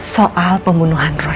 soal pembunuhan roy